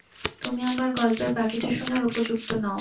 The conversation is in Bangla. তুমি আমার গল্পের বাকিটা শোনার উপযুক্ত নও।